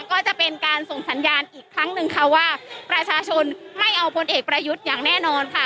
ก็จะเป็นการส่งสัญญาณอีกครั้งหนึ่งค่ะว่าประชาชนไม่เอาพลเอกประยุทธ์อย่างแน่นอนค่ะ